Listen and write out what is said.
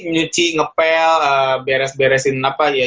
nyuci ngepel beres beresin apa ya